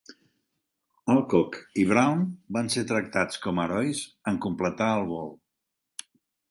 Alcock i Brown van ser tractats com a herois en completar el vol.